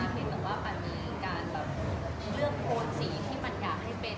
เหมือนกับมันมีการเลือกโฟส์สีที่มันอยากให้เป็น